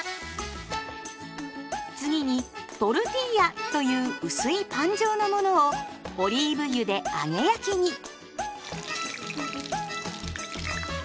次にトルティーヤという薄いパン状のものをオリーブ油で揚げ焼きに。